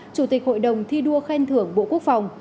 chủ tịch hội đồng thi đua khen thưởng bộ quốc phòng